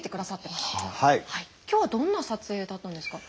今日はどんな撮影だったんですか？